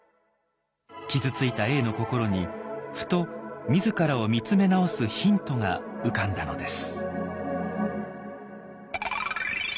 傷ついた永の心にふと自らを見つめ直すヒントが浮かんだのです。